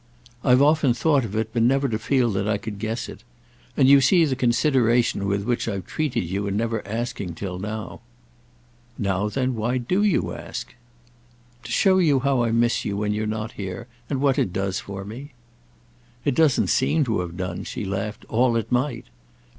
"I've often thought of it, but never to feel that I could guess it. And you see the consideration with which I've treated you in never asking till now." "Now then why do you ask?" "To show you how I miss you when you're not here, and what it does for me." "It doesn't seem to have done," she laughed, "all it might!